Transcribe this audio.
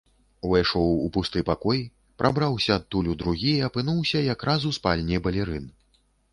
Увайшоў у пусты пакой, прабраўся адтуль у другі і апынуўся якраз у спальні балерын.